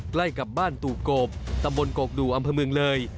ใกล้กับบ้านตู่โกบตำบลโกกดูอำเภอเมืองเลย